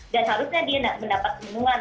dan harusnya dia mendapat penyembuhan